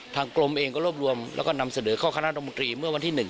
ทางกรมเองก็รวบรวมแล้วก็นำเสนอเข้าคณะรมนตรีเมื่อวันที่๑